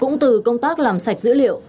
cũng từ công tác làm sạch dữ liệu